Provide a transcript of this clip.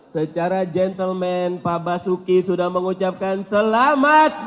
secara gentleman pak basuki sudah mengucapkan selamat